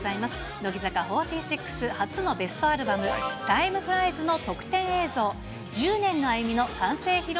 乃木坂４６、初のベストアルバム、タイムフライズの特典映像、１０年の歩みの完成披露